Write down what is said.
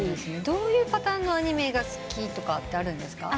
どういうパターンのアニメが好きとかってあるんですか？